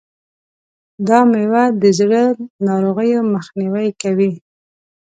دا مېوه د زړه ناروغیو مخنیوی کوي.